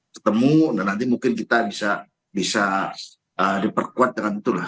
ketemu nanti mungkin kita bisa diperkuat dengan itulah